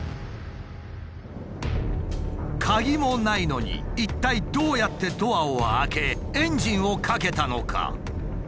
鍵もないのに一体どうやってドアを開けエンジンをかけたのか？